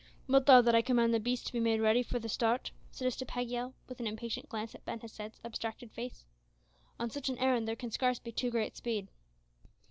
'" "Wilt thou that I command the beasts to be made ready for the start?" suggested Pagiel with an impatient glance at Ben Hesed's abstracted face. "On such an errand there can scarce be too great speed."